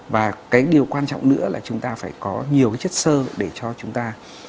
và cái điều quan trọng nữa là chúng ta phải có nhiều cái chất sơ để cho chúng ta